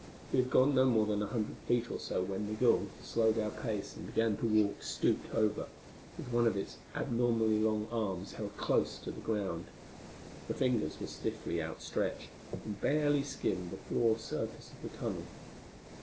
We had gone no more than a hundred feet or so when Migul slowed our pace, and began to walk stooped over, with one of its abnormally long arms held close to the ground. The fingers were stiffly outstretched and barely skimmed the floor surface of the tunnel.